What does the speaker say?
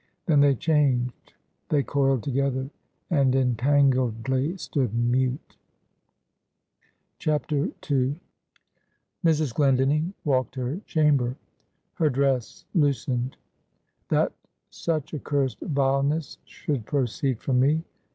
Then they changed; they coiled together, and entangledly stood mute. II. Mrs. Glendinning walked her chamber; her dress loosened. "That such accursed vileness should proceed from me!